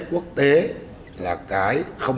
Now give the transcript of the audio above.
quốc tế là cái không